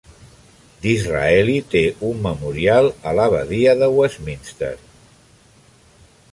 Disraeli té un memorial a l'abadia de Westminster.